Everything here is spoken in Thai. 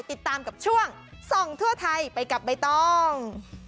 ติดตามกับช่วงส่องทั่วไทยไปกับใบตอง